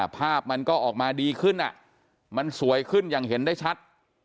ภาพมันก็ออกมาดีขึ้นมันสวยขึ้นอย่างเห็นได้ชัด